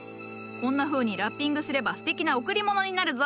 こんなふうにラッピングすればすてきな贈り物になるぞ。